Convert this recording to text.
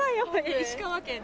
石川県です。